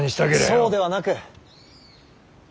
そうではなく。